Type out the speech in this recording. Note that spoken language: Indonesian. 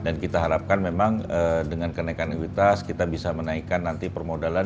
dan kita harapkan memang dengan kenaikan ekuitas kita bisa menaikkan nanti permodalan